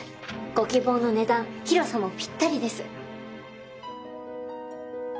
ご希望の値段広さもぴったりです。